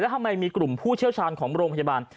ทำไมมีกลุ่มผู้เชี่ยวชาญของโรงพยาบาล